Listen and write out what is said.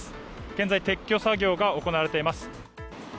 現在、撤去作業が行われています。